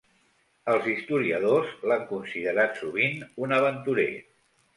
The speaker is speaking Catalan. Els historiadors l'han considerat sovint un aventurer.